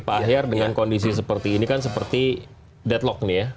pak ahyar dengan kondisi seperti ini kan seperti deadlock nih ya